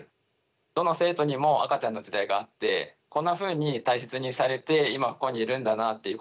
どの生徒にも赤ちゃんの時代があってこんなふうに大切にされて今ここにいるんだなっていうことを娘を通して改めて感じましたし